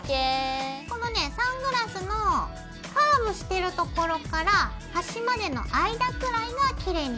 このねサングラスのカーブしてる所からはしまでの間くらいがきれいに見えるよ。